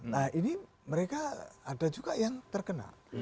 nah ini mereka ada juga yang terkena